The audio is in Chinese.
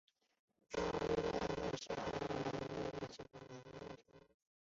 卡尔在路上认识了爱尔兰人罗宾逊和法国人德拉马什。